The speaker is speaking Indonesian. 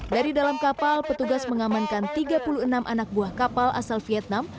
dari dalam kapal petugas mengamankan tiga puluh enam anak buah kapal asal vietnam